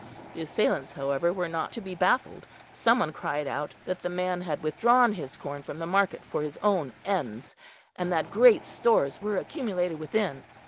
The assailants, however, were not to be baffled; some one cried out that the man had withdrawn his corn from the market for his own ends, and that great stores were accumulated within.